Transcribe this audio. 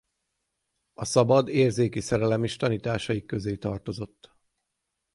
A szabad érzéki szerelem is tanításaik közé tartozott.